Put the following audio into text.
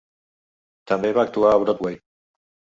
També va actuar a Broadway.